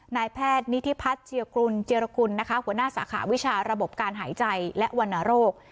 นายแพทย์นิทิพัฒน์เจียรกุลหัวหน้าสาขาวิชาระบบการหายใจและวนโรค